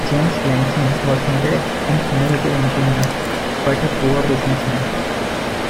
James Lansing was noted as an innovative engineer, but a poor businessman.